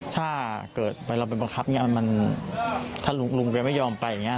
ถ้าเกิดไปเราไปบังคับถ้าลุงไม่ยอมไปอย่างนี้